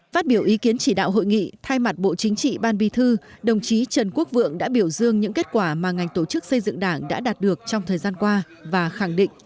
phát biểu ý kiến chỉ đạo hội nghị thay mặt bộ chính trị ban bí thư đồng chí trần quốc vượng đã biểu dương những kết quả mà ngành tổ chức xây dựng đảng đã đạt được trong thời gian qua và khẳng định